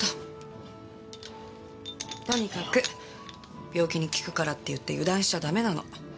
とにかく病気に効くからっていって油断しちゃダメなの。